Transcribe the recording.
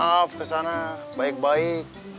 maaf kesana baik baik